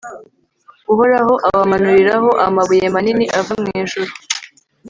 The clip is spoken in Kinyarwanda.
uhoraho abamanuriraho amabuye manini ava mu ijuru